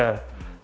satu buat dibikin